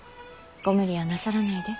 ご無理はなさらないで。